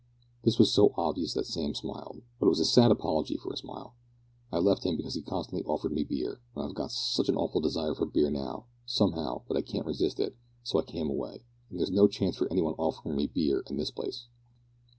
This was so obvious that Sam smiled; but it was a sad apology for a smile. "I left him, because he constantly offered me beer, and I've got such an awful desire for beer now, somehow, that I can't resist it, so I came away. And there's no chance of any one offering me beer in this place."